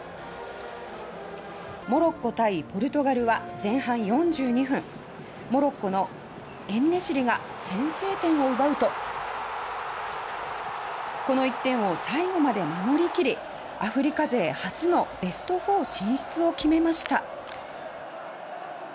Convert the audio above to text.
モロッコ対ポルトガルは前半４２分モロッコのエンネシリが先制点を奪うとこの１点を最後まで守り切りアフリカ勢初のベスト４進出を決めました。